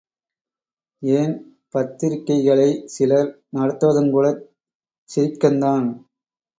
ஏன் பத்திரிகைகளைச் சிலர் நடத்துவதுங் கூடச் சிரிக்கந்தான்!